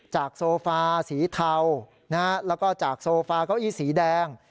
โซฟาสีเทาแล้วก็จากโซฟาเก้าอี้สีแดง